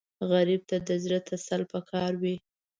غریب ته د زړه تسل پکار وي